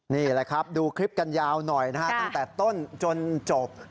นี่แหละครับดูคลิปกันยาวหน่อยนะฮะตั้งแต่ต้นจนจบ